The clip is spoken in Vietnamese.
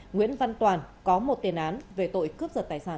nguyễn văn toàn có một tiền án về tội cướp giật tài sản